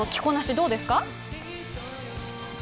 どうですか？